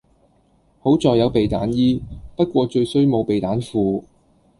好在有避彈衣，不過最衰冇避彈褲